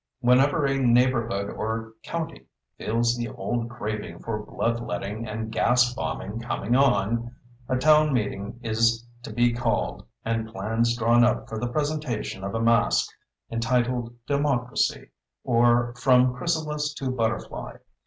Whenever a neighborhood, or county, feels the old craving for blood letting and gas bombing coming on, a town meeting is to be called and plans drawn up for the presentation of a masque entitled "Democracy" or "From Chrysalis to Butterfly."